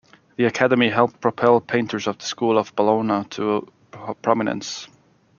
The academy helped propel painters of the School of Bologna to prominence.